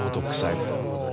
なるほど。